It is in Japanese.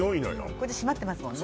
こっち締まってますもんね